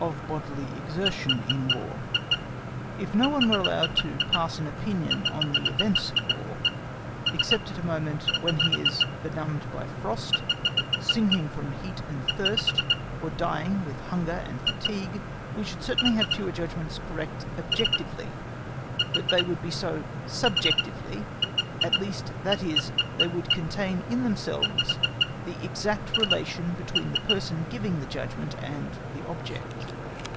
Of Bodily Exertion in War If no one were allowed to pass an opinion on the events of War, except at a moment when he is benumbed by frost, sinking from heat and thirst, or dying with hunger and fatigue, we should certainly have fewer judgments correct objectively; but they would be so, subjectively, at least; that is, they would contain in themselves the exact relation between the person giving the judgment and the object.